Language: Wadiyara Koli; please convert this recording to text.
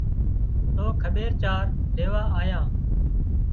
تو کٻير چار ليوا آيان